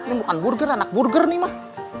ini bukan burger anak burger nih mah